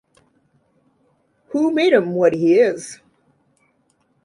Who made him what he is?